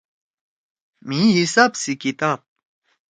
مھی حساب سی کتاب۔